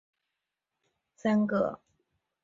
这三个国家分别为阿根廷。